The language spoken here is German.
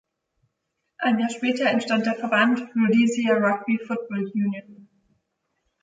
Ein Jahr später entstand der Verband "Rhodesia Rugby Football Union".